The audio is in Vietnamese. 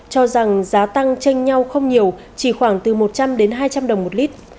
cho rằng giá tăng tranh nhau không nhiều chỉ khoảng từ một trăm linh đến hai trăm linh đồng một lít